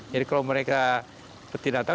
jadi kalau mereka tidak tahu